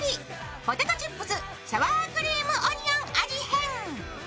ポテトチップスサワークリームオニオン味編。